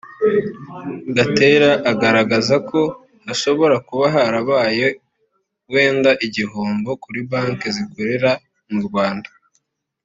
Gatera agaragaza ko hashobora kuba harabaye wenda igihombo kuri Banki zikorera mu Rwanda